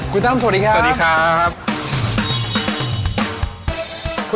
คุณตั้มสวัสดีครับสวัสดีครับสวัสดีครับ